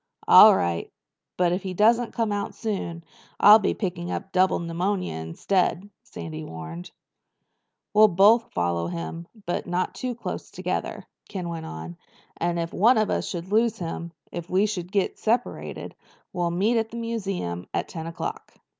"All right. But if he doesn't come out soon I'll be picking up double pneumonia instead," Sandy warned. "We'll both follow him, but not too close together," Ken went on. "And if one of us should lose him—if we should get separated—we'll meet at the museum at ten o'clock."